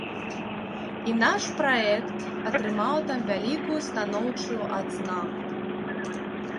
І наш праект атрымаў там вялікую станоўчую адзнаку.